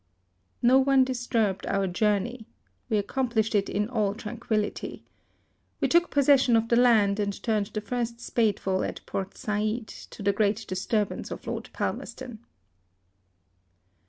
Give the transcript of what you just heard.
No one disturbed our journey. We accomplished it in all tranquillity. We took possession of the land, and turned the first spadeful at Port Said, to the great disturb ance of Lord Palmerston.